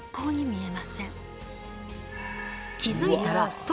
気付いたらうわ。